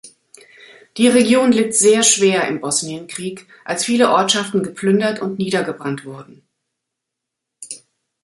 Die Region litt sehr schwer im Bosnienkrieg, als viele Ortschaften geplündert und niedergebrannt wurden.